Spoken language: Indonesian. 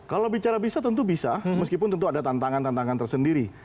kalau bicara bisa tentu bisa meskipun tentu ada tantangan tantangan tersendiri